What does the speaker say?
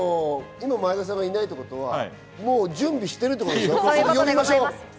今、前田さんがいないということは準備してるんですね。